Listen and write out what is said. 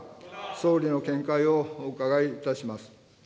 総理の見解をお伺いします。